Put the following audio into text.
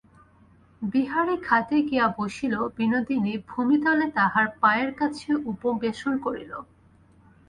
বিহারী খাটে গিয়া বসিল-বিনোদিনী ভূমিতলে তাহার পায়ের কাছে উপবেশন করিল।